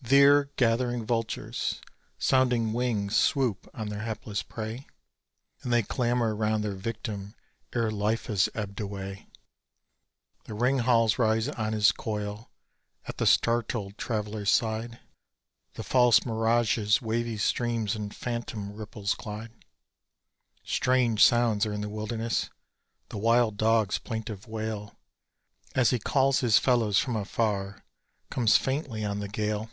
There gathering vultures' sounding wings swoop on their hapless prey; And they clamour round their victim ere life has ebbed away. The "ringhals" rises on his coil at the startled traveller's side; The false mirage's wavy streams in phantom ripples glide. Strange sounds are in the wilderness: the wild dog's plaintive wail, As he calls his fellows from afar, comes faintly on the gale.